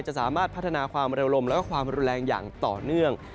จะสามารถพัฒนาความเร็วลมและความรุนแรงอย่างต่อเนื่อง